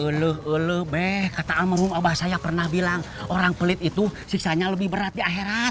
eluh eluh beh kata almarhum abah saya pernah bilang orang pelit itu siksa nya lebih berat di akhirat